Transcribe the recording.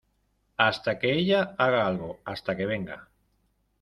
hasta que ella haga algo, hasta que venga